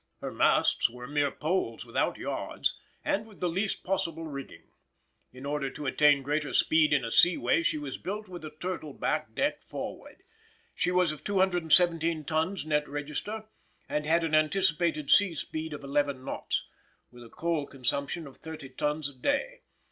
Her masts were mere poles without yards, and with the least possible rigging. In order to attain greater speed in a sea way she was built with a turtle back deck forward. She was of 217 tons net register, and had an anticipated sea speed of eleven knots, with a coal consumption of thirty tons a day.